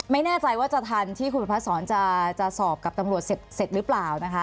ไม่แน่ใจว่าจะทันที่คุณประพัดศรจะสอบกับตำรวจเสร็จหรือเปล่านะคะ